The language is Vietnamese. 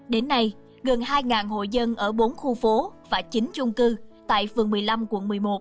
đến nay gần hai hộ dân ở bốn khu phố và chín chung cư tại phường một mươi năm quận một mươi một